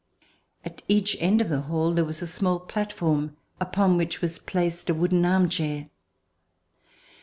At each end of the hall there was a small platform upon which was placed a wooden arm chair.